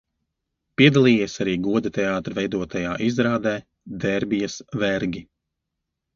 "Piedalījies arī Goda teātra veidotajā izrādē "Dērbijas vergi"."